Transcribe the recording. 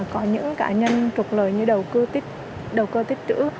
có những cá nhân trục lời như đầu cơ tích trữ